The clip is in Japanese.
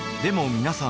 皆さん